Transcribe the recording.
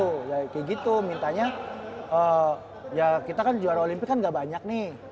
kayak gitu mintanya ya kita kan juara olimpik kan gak banyak nih